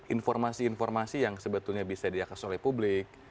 informasi informasi yang sebetulnya bisa diakses oleh publik